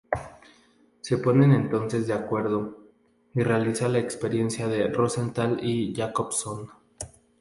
Se ponen entonces de acuerdo, y realiza la experiencia de Rosenthal y Jacobson.